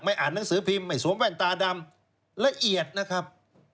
อ่านหนังสือพิมพ์ไม่สวมแว่นตาดำละเอียดนะครับ